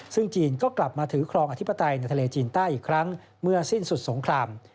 ซึ่งจีนก็กลับมาถือครองอธิปไตยในทะเลจีนใต้อีกครั้งเมื่อสิ้นสุดสงคราม